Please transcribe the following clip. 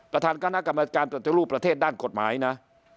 ประธานคณะกรรมการปฏิรูปประเทศด้านกฎหมายนะ